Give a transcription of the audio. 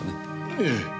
ええ。